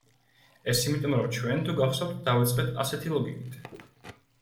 ეს იმიტომ, რომ ჩვენ, თუ გახსოვთ, დავიწყეთ ასეთი ლოგიკით.